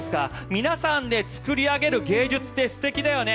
皆さんで作り上げる芸術って素敵だよね。